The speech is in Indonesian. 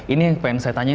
ini yang pengen saya tanya